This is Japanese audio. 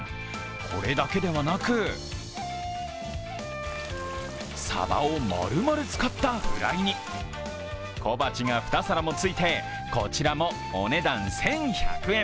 これだけではなくサバを丸々使ったフライに小鉢が２皿もついて、こちらもお値段１１００円。